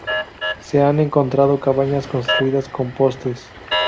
Se han encontrado cabañas construidas con postes.